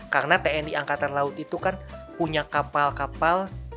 karena tni angkatan laut itu kan punya kapal kapal